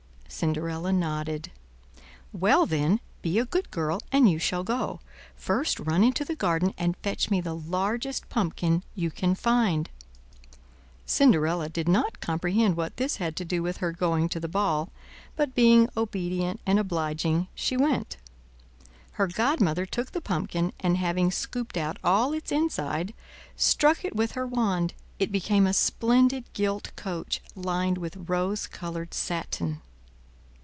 Cinderella nodded. "Well then, be a good girl, and you shall go. First run into the garden and fetch me the largest pumpkin you can find." Cinderella did not comprehend what this had to do with her going to the ball, but being obedient and obliging, she went. Her godmother took the pumpkin, and having scooped out all its inside, struck it with her wand; it became a splendid gilt coach, lined with rose colored satin.